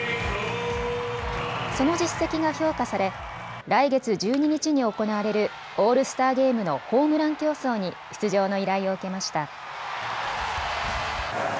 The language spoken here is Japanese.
その実績が評価され、来月１２日に行われるオールスターゲームのホームラン競争に出場の依頼を受けました。